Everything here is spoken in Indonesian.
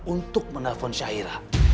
untuk menelpon syairah